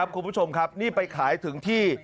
คุณผู้ชมครับนี่ไปขายถึงที่